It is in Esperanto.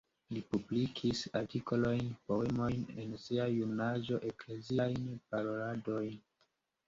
Li publikis artikolojn, poemojn en sia junaĝo, ekleziajn paroladojn.